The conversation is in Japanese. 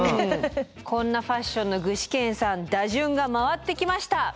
こんなファッションの具志堅さん打順が回ってきました。